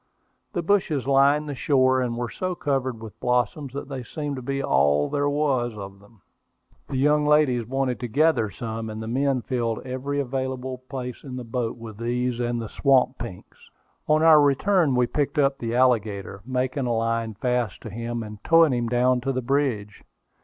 The bushes lined the shore, and were so covered with blossoms that they seemed to be all there was of them. The young ladies wanted to gather some, and the men filled every available place in the boat with these and the swamp pinks. On our return we picked up the alligator, making a line fast to him, and towing him down to the bridge.